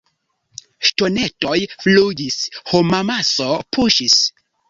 Ŝtonetoj flugis; homamaso puŝis.